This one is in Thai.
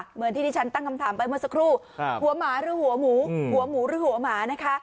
เหมือนที่ที่ฉันตั้งคำถามไปเมื่อสักครู่หัวหมาหรือหัวหมูหัวหมูหรือหัวหมานะคะ